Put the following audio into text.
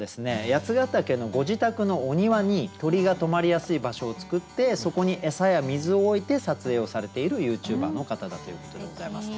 八ヶ岳のご自宅のお庭に鳥が止まりやすい場所を作ってそこに餌や水を置いて撮影をされているＹｏｕＴｕｂｅｒの方だということでございます。